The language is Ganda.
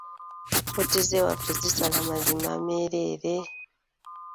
Kkooti z'ewaffe zisala mazima meereere.